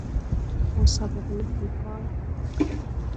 مسابقه فوتبال